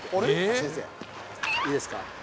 先生、いいですか。